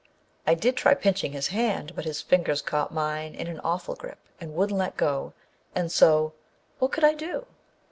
I did try pinching his hand, but his fingers caught mine in an awful grip and wouldn't let go, and so â what could I do?